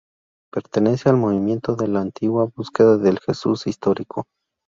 Pertenece al movimiento de la Antigua búsqueda del Jesús histórico.